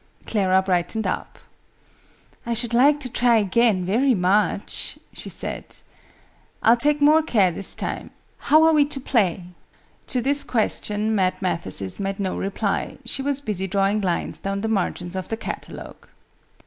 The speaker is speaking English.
Clara brightened up. "I should like to try again, very much," she said. "I'll take more care this time. How are we to play?" To this question Mad Mathesis made no reply: she was busy drawing lines down the margins of the catalogue.